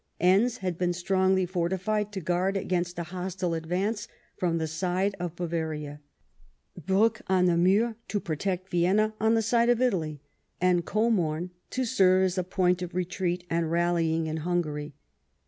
Enns had been strongly fortified to guard against a hostile advance from the side of Bavaria ; Briick on the Mur, to protect Vienna on the side of Italy; and Koniorn, to serve as a point of retreat and rallying in Hungary.